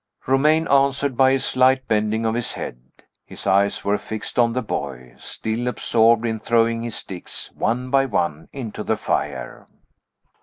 Romayne answered by a slight bending of his head. His eyes were fixed on the boy still absorbed in throwing his sticks, one by one, into the fire.